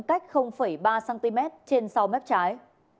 cách ba cm trên sau mép trái